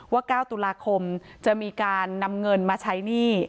๙ตุลาคมจะมีการนำเงินมาใช้หนี้